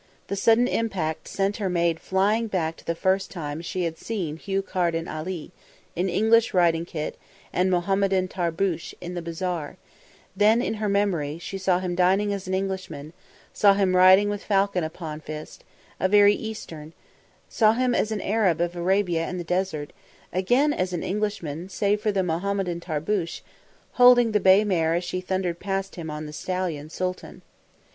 The sudden impact sent her mind flying back to the first time she had seen Hugh Carden Ali, in English riding kit and Mohammedan tarbusch in the bazaar; then in her memory she saw him dining as an Englishman; saw him riding with falcon upon fist a very Eastern, saw him as an Arab of Arabia in the desert; again as an Englishman, save for the Mohammedan tarbusch, holding in the bay mare as she thundered past him on the stallion Sooltan.